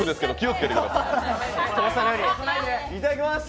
いただきます。